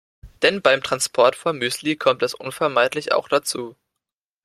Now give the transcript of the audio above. Denn beim Transport von Müsli kommt es unvermeidlich auch dazu.